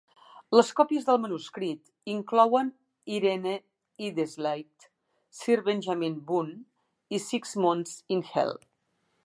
Les còpies del manuscrit inclouen "Irene Iddesleigh", "Sir Benjamin Bunn" i "Six Months in Hell".